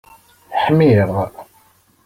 Ḥmiɣ.